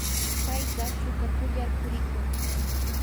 payqa shuukakullar purikun.